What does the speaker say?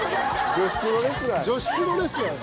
女子プロレスラーや。